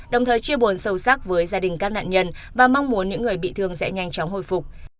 đồng thời chia buồn sâu sắc với gia đình các nạn nhân và mong muốn những người bị thương sẽ nhanh chóng hồi phục